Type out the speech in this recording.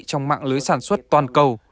trong mạng lưới sản xuất toàn cầu